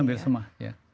hampir semua ya